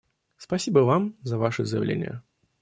Спасибо Вам за Ваше заявление.